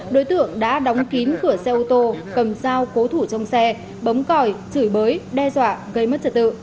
đối tượng đã đóng kín cửa xe ô tô cầm dao cố thủ trong xe bấm còi chửi bới đe dọa gây mất trật tự